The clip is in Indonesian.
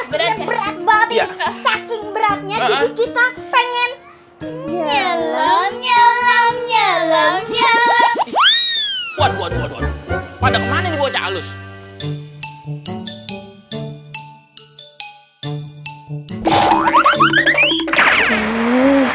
berat beratnya kita pengen nyelam nyelam nyelam nyelam nyelam